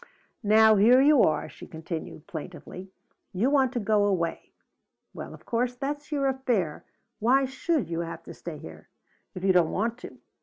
"Now here you are," she continued plaintively. "You want to go away. Well, of course, that's your affair. Why should you have to stay here if you don't want to?